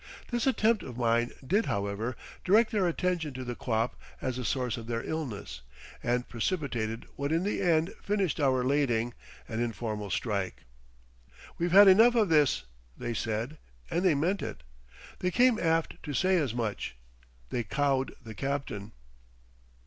This attempt of mine did, however, direct their attention to the quap as the source of their illness and precipitated what in the end finished our lading, an informal strike. "We've had enough of this," they said, and they meant it. They came aft to say as much. They cowed the captain.